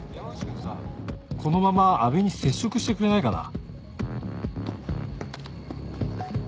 このまま阿部に接触してくれないかな？